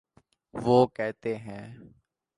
وہ کہتے ہیں۔